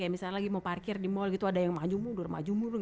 kayak misalnya lagi mau parkir di mall gitu ada yang maju mundur maju mundur